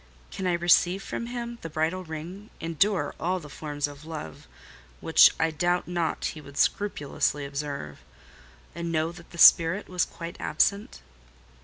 Can I receive from him the bridal ring, endure all the forms of love (which I doubt not he would scrupulously observe) and know that the spirit was quite absent?